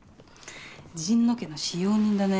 神野家の使用人だね。